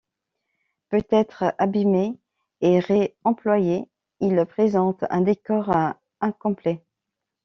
Peut-être abîmé et ré-employé il présente un décor incomplet.